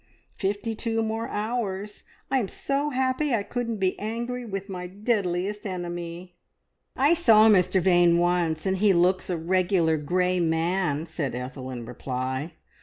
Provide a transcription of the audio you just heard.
Fifty two more hours! I'm so happy I couldn't be angry with my deadliest enemy!" "I saw Mr Vane once, and he looks a regular grey man," said Ethel in reply.